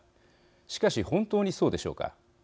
しかし本当にそうでしょうか。